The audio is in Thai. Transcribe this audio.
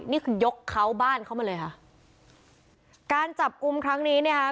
นี่คือยกเขาบ้านเขามาเลยค่ะการจับกลุ่มครั้งนี้เนี่ยค่ะ